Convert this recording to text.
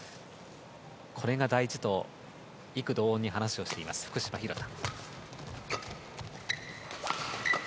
これが大事と異口同音に話をしている福島、廣田。